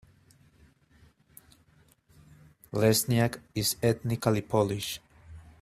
Lesniak is ethnically Polish.